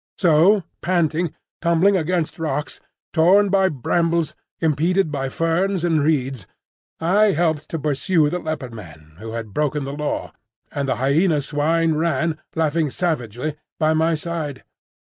So, panting, tumbling against rocks, torn by brambles, impeded by ferns and reeds, I helped to pursue the Leopard man who had broken the Law, and the Hyena swine ran, laughing savagely, by my side.